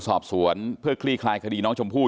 สอบสวนเพื่อคลี่คลายคดีน้องชมพู่